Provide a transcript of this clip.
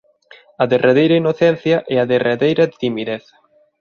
A derradeira inocencia e a derradeira timidez.